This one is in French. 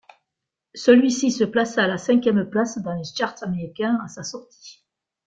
Celui-ci se plaça à la cinquième place dans les charts américains à sa sortie.